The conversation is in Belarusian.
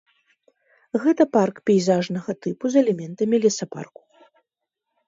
Гэта парк пейзажнага тыпу з элементамі лесапарку.